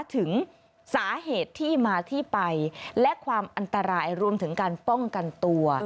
ถึงสาเหตุที่มาที่ไปและความอันตรายรวมถึงการป้องกันตัว